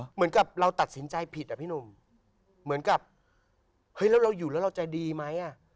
เหมือนกับเราตัดสินใจผิดอะพี่หนุ่มเหมือนกับเฮ้ยแล้วเราอยู่แล้วเราจะดีไหมอ่ะ